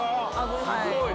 すごい！